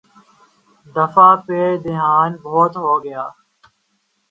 دفاع پہ دھیان بہت ہو گیا۔